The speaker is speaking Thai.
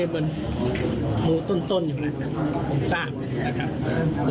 มันมือต้นอยู่ผมทราบ